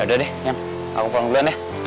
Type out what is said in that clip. yaudah deh nyam aku panggulan ya